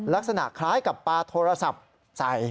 ลักษณะคล้ายกับปลาโทรศัพท์ใส่